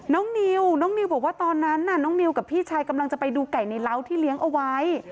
นิวน้องนิวบอกว่าตอนนั้นน่ะน้องนิวกับพี่ชายกำลังจะไปดูไก่ในเล้าที่เลี้ยงเอาไว้